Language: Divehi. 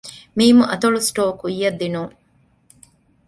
މ. އަތޮޅު ސްޓޯރ ކުއްޔަށް ދިނުން